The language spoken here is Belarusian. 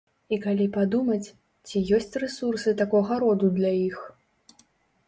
І калі падумаць, ці ёсць рэсурсы такога роду для іх?